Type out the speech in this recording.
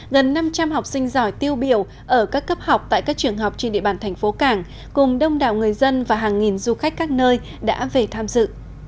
gần năm trăm linh học sinh giỏi tiêu biểu ở các cấp học tại các trường học trên địa bàn thành phố cảng cùng đông đảo người dân và hàng nghìn du khách các nơi đã về tham dự